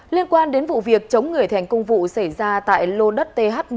liên quan đến vụ việc chống người thành công vụ xảy ra tại lô đất th một